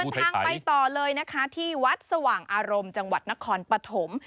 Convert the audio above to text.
ทางไปต่อเลยนะคะที่วัดสว่างอารมณ์จังหวัดนครปฐม